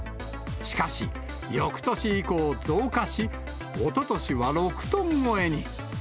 しかし、よくとし以降、増加し、おととしは６トン超えに。